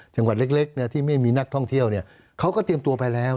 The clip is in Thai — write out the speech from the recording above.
จังหวัดเล็กที่ไม่มีนักท่องเที่ยวเขาก็เตรียมตัวไปแล้ว